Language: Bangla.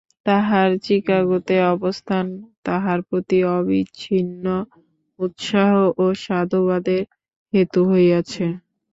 তাঁহার চিকাগোতে অবস্থান তাঁহার প্রতি অবিচ্ছিন্ন উৎসাহ ও সাধুবাদের হেতু হইয়াছে।